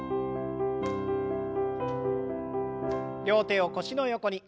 両手を腰の横に。